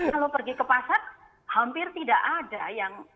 kalau pergi ke pasar hampir tidak ada yang